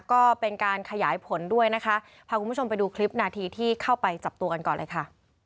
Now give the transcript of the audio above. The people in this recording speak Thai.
ก็เป็นการขยายผลด้วยนะคะพาคุณผู้ชมไปดูคลิปนาทีที่เข้าไปจับตัวกันก่อนเลยค่ะ